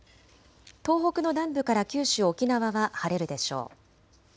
東北の南部から九州、沖縄は晴れるでしょう。